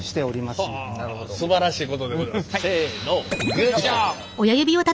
すばらしいことでございます。